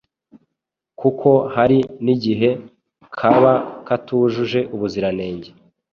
kuko hari n’igihe kaba katujuje ubuziranenge.